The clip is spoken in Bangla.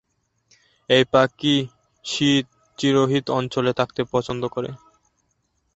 এই পাখি শীত, চিরহরিৎ অঞ্চলে থাকতে পছন্দ করে।